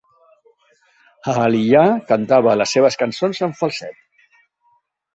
Aaliyah cantava les seves cançons en falset.